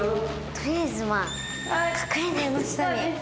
とりあえずまあ隠れる机の下に。